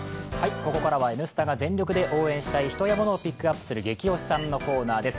ここからは「Ｎスタ」が全力で応援したい人やものをピックアップする「ゲキ推しさん」のコーナーです。